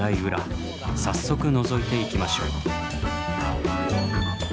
早速のぞいていきましょう。